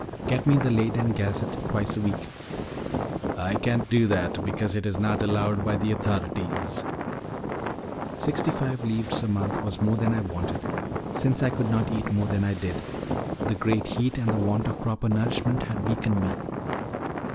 "Get me the Leyden Gazette twice a week." "I can't do that, because it is not allowed by the authorities." Sixty five livres a month was more than I wanted, since I could not eat more than I did: the great heat and the want of proper nourishment had weakened me.